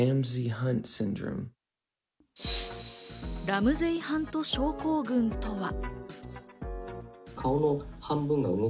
ラムゼイハント症候群とは。